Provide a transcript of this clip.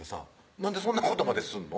なんでそんなことまですんの？